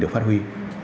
được phát huy